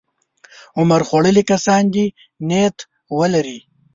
عمر خوړلي کسان دې نیت ولري.